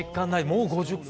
もう５０回？